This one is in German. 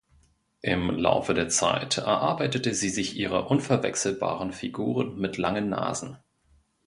Im Laufe der Zeit erarbeitete sie sich ihre unverwechselbaren Figuren mit langen Nasen.